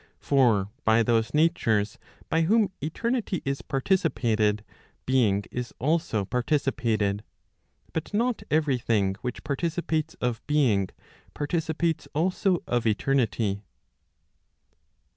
For by those natures by whom eternity is participated, being is also participated. But not every thing which participates of being, participates also of eternity.